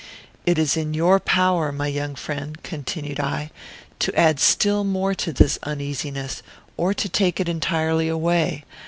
"It is in your power, my young friend," continued I, "to add still more to this uneasiness, or to take it entirely away.